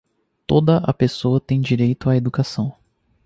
Toda a pessoa tem direito à educação.